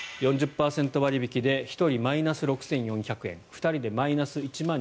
４０％割引で１人マイナス６４００円２人でマイナス１万２８００円。